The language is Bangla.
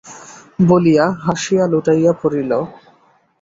বলিয়া হাসিয়া লুটাইয়া পড়িল।